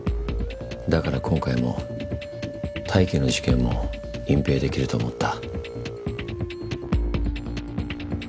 だから今回も泰生の事件も隠蔽できると思った。